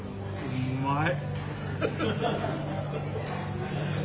うまい。